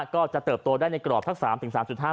ก็จะเติบโตได้ในกรอบทั้ง๓๓๕